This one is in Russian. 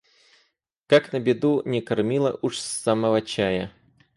Как на беду, не кормила уж с самого чая.